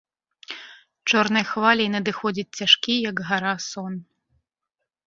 Чорнай хваляй надыходзіць цяжкі, як гара, сон.